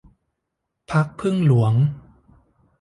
พรรคผึ้งหลวง